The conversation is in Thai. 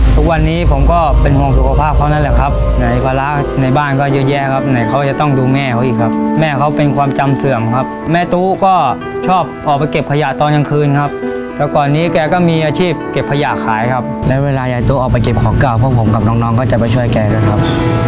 ทุกวันนี้ผมก็เป็นห่วงสุขภาพเขานั่นแหละครับไหนภาระในบ้านก็เยอะแยะครับไหนเขาจะต้องดูแม่เขาอีกครับแม่เขาเป็นความจำเสื่อมครับแม่ตู้ก็ชอบออกไปเก็บขยะตอนกลางคืนครับแล้วก่อนนี้แกก็มีอาชีพเก็บขยะขายครับแล้วเวลายายตู้ออกไปเก็บของเก่าพวกผมกับน้องน้องก็จะไปช่วยแกด้วยครับ